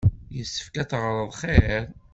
Yessefk ad teɣreḍ xir.